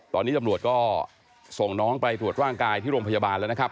ตอนนี้ตำรวจก็ส่งน้องไปตรวจร่างกายที่โรงพยาบาลแล้วนะครับ